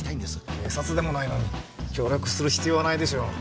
警察でもないのに協力する必要はないでしょう